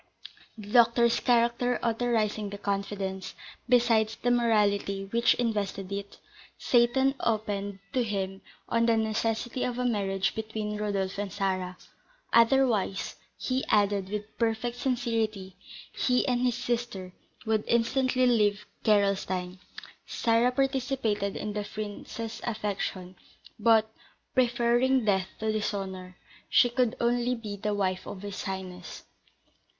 The doctor's character authorising the confidence, besides the morality which invested it, Seyton opened to him on the necessity of a marriage between Rodolph and Sarah; otherwise, he added, with perfect sincerity, he and his sister would instantly leave Gerolstein. Sarah participated in the prince's affection, but, preferring death to dishonour, she could only be the wife of his highness.